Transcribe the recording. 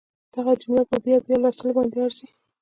دغه جمله په بیا بیا لوستلو باندې ارزي